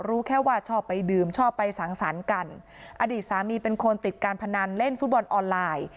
รู้แค่ว่าชอบไปดื่มชอบไปสังสรรค์กันอดีตสามีเป็นคนติดการพนันเล่นฟุตบอลออนไลน์